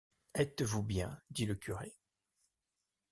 Estes-vous bien? dit le curé.